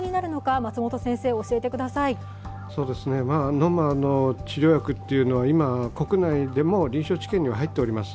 飲む治療薬は今、国内でも臨床治験には入っております。